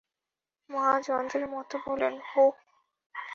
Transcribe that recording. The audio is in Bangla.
মা যন্ত্রের মত বললেন, হু ।